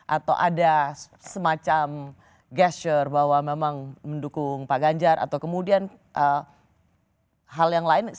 atau ada semacam gesture bahwa memang mendukung pak ganjar atau kemudian hal yang lain